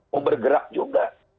mau bergerak juga